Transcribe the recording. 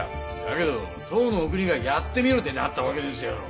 やけど当のお国がやってみろってなったわけですやろ。